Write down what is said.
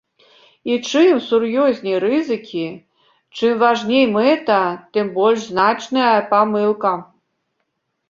І чым сур'ёзней рызыкі, чым важней мэта, тым больш значныя памылка.